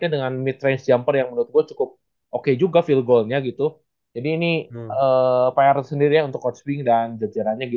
dan satria muda juga tentunya